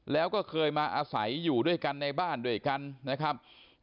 แล้วก็เคยมาอาศัยอยู่ด้วยกันในบ้านด้วยกันนะครับ